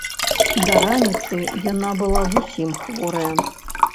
Да раніцы яна была зусім хворая.